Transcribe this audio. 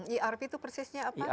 erp itu persisnya apa